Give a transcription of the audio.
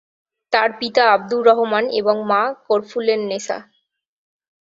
তার পিতা আবদুর রহমান এবং মা কর্ফুলেন্নেসা।